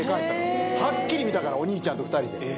はっきり見たからお兄ちゃんと２人で。